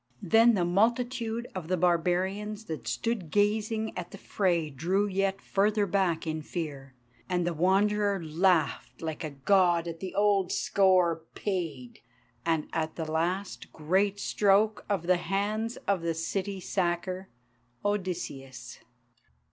Then the multitude of the barbarians that stood gazing at the fray drew yet further back in fear, and the Wanderer laughed like a God at that old score paid, and at the last great stroke of the hands of the City sacker, Odysseus.